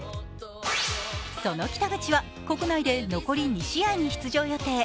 その北口は国内で残り２試合に出場予定。